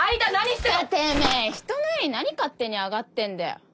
つうかてめぇ人の家に何勝手に上がってんだよ？